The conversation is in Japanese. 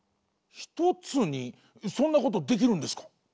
そんなことできるんですか？